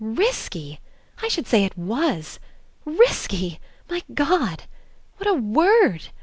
"Risky! I should say It was. Risky! My God ! What a word